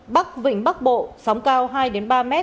bắc vĩnh bắc bộ sóng cao hai ba m